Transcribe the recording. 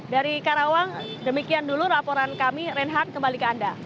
demikian dulu raporan kami reinhard kembali ke anda